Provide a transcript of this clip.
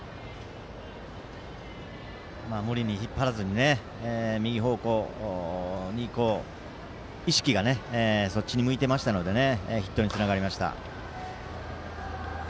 無理に引っ張らずに右方向に意識がそっちに向いていましたのでヒットにつながりました。